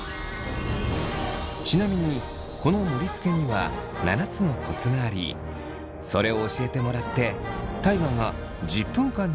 ちなみにこの盛りつけには７つのコツがありそれを教えてもらって大我が１０分間で盛りつけたのがこちら。